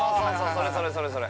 それそれそれそれ。